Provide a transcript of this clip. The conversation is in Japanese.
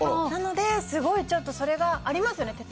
なのですごいちょっとそれがありますよね？